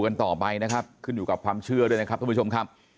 กันต่อไปนะครับขึ้นอยู่กับความเชื่อด้วยนะครับท่านผู้ชมครับ